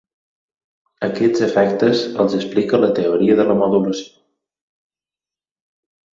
Aquests efectes els explica la teoria de la modulació.